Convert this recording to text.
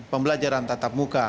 pembelajaran tatap muka